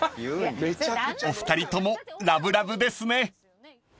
［お二人ともラブラブですね］